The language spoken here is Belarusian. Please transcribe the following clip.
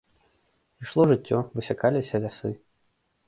Ішло жыццё, высякаліся лясы.